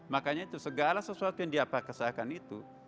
makanya itu segala sesuatu yang diapakasakan itu